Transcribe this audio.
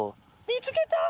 見つけたよ！